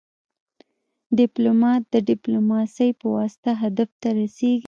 ډيپلومات د ډيپلوماسي پواسطه هدف ته رسیږي.